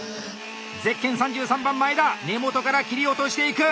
ゼッケン３３番前田根元から切り落としていく！